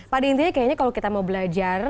pada intinya kayaknya kalau kita mau belajar